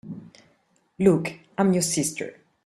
Luke, I am your sister!